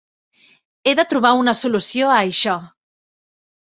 He de trobar una solució a això!